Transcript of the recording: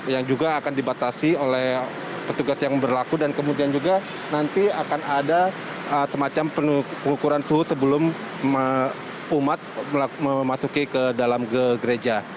yang juga akan dibatasi oleh petugas yang berlaku dan kemudian juga nanti akan ada semacam pengukuran suhu sebelum umat memasuki ke dalam gereja